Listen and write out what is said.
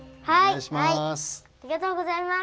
はい！